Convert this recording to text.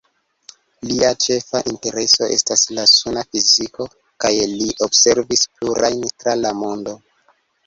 Lia ĉefa intereso estas la suna fiziko kaj li observis plurajn tra la mondo.